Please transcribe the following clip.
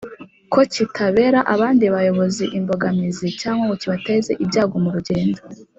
Ko kitabera abandi bayobozi imbogamizi cg ngo kibateza ibyago murugendo